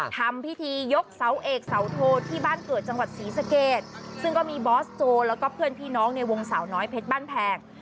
ทำพิธียกเสาเอกเสาโทที่บ้านเกิดจังหวัดศรีสะเกดซึ่งก็มีบอสโจแล้วก็เพื่อนพี่น้องในวงเสาน้อยเพชรบ้านแพง